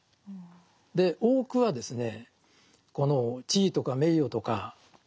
多くはですね